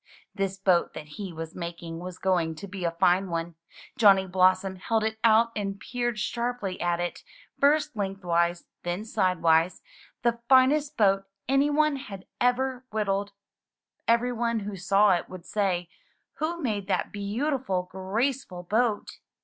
This boat that he was making was going to be a fine one — Johnny Blossom held it out and peered sharply at it, first length wise, then sidewise — the finest boat any one had ever whittled. Every one who saw it would say, '*Who made that beautiful, graceful boat?"